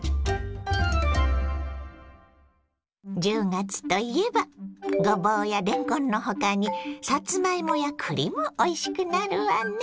１０月といえばごぼうやれんこんの他にさつまいもやくりもおいしくなるわね。